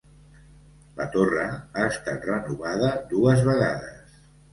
La torre ha estat renovada dues vegades.